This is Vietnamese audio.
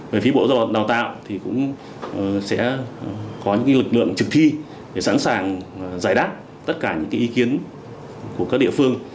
về phía bộ giáo dục đào tạo thì cũng sẽ có những lực lượng thực thi để sẵn sàng giải đáp tất cả những ý kiến của các địa phương